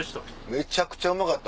めちゃくちゃうまかった。